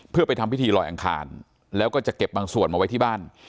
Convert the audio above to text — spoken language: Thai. เพื่อไปทำพิธีลอยอังคารแล้วก็จะเก็บบางส่วนมาไว้ที่บ้าน